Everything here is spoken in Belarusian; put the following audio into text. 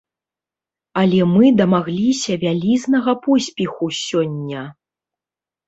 Але мы дамагліся вялізнага поспеху сёння!